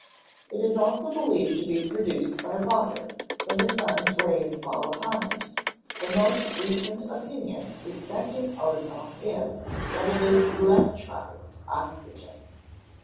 It is also believed to be produced by water, when the sun's rays fall upon it. The most recent opinion respecting ozone is, that it is electrized oxygen.